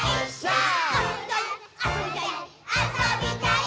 あそびたい！